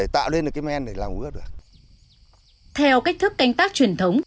theo cách thức canh tác truyền thống